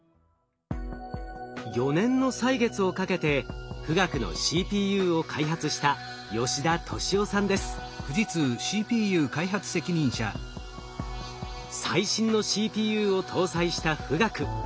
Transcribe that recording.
４年の歳月をかけて富岳のＣＰＵを開発した最新のＣＰＵを搭載した富岳。